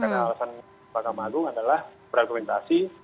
karena alasan mahkamah agung adalah berkomentasi